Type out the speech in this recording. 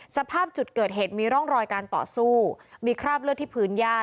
สภาพจุดเกิดเหตุมีร่องรอยการต่อสู้มีคราบเลือดที่พื้นย่า